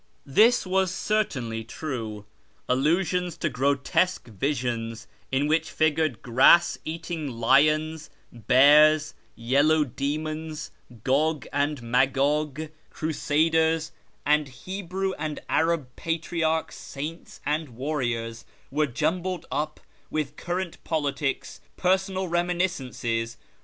This was certainly true : allusions to grotesque visions in which 'figured grass eating lions, bears, yellow demons, Gog and Magog, " Crusaders," and Hebrew and Arab patriarchs, saints, and warriors, were jumbled up with current politics, personal reminiscences.